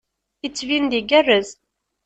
Yettbin-d igerrez.